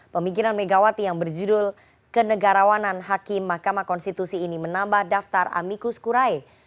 pemikiran megawati yang berjudul kenegarawanan hakim mahkamah konstitusi ini menambah daftar amikus kurai